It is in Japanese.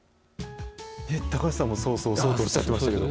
高橋さんも、そうそうそうとおっしゃってましたけど。